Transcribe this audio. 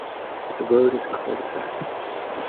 The road is a cul-de-sac.